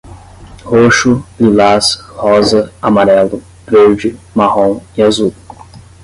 Roxo, lilás, rosa, amarelo, verde, marrom e azul